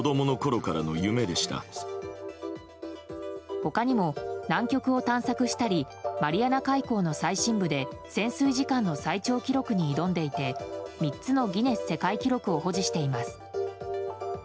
他にも南極を探索したりマリアナ海溝の最深部で潜水時間の最長記録に挑んでいて３つのギネス世界記録を保持しています。